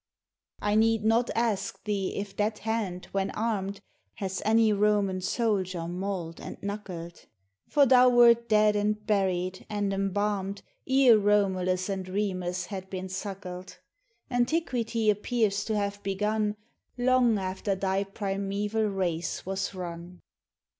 1 need not ask thee if that hand, when armed, Has any Roman soldier mauled and knuckled ; For thou wert dead and buried and embalmed Ere Romulus and Remus had been suckled : Antiquity appears to have begun Long after thy primeval race was run.